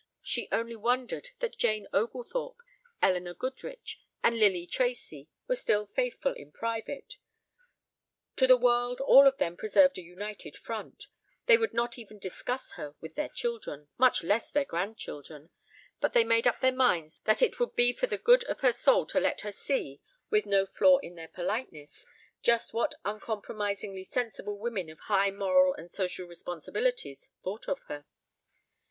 She only wondered that Jane Oglethorpe, Elinor Goodrich, and Lily Tracy were still faithful in private to the world all of them preserved a united front; they would not even discuss her with their children, much less their grandchildren; but they made up their minds that it would be for the good of her soul to let her see, with no flaw in their politeness, just what uncompromisingly sensible women of high moral and social responsibilities thought of her.